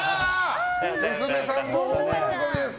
娘さんも大喜びです。